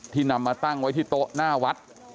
นำมาตั้งไว้ที่โต๊ะหน้าวัด